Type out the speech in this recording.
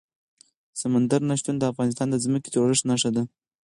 سمندر نه شتون د افغانستان د ځمکې د جوړښت نښه ده.